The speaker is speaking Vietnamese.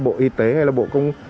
bộ y tế hay là bộ